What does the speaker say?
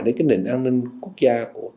để cái nền an ninh quốc gia